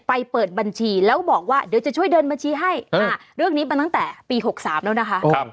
เปิดบัญชีแล้วบอกว่าเดี๋ยวจะช่วยเดินบัญชีให้เรื่องนี้มาตั้งแต่ปี๖๓แล้วนะคะ